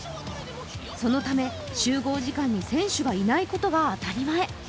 そのため、集合時間に選手がいないことが当たり前。